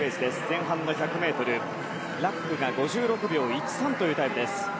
前半の１００ｍラックが５６秒１３というタイムです。